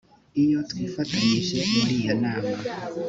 iyo twifatanyije muri iyo nama